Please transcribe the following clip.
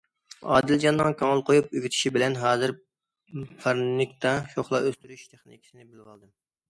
ئادىلجاننىڭ كۆڭۈل قويۇپ ئۆگىتىشى بىلەن ھازىر پارنىكتا شوخلا ئۆستۈرۈش تېخنىكىسىنى بىلىۋالدىم.